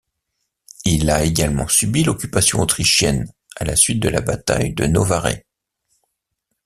Il a également subi l'occupation autrichienne à la suite de la bataille de Novare.